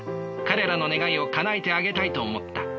彼らの願いをかなえてあげたいと思った。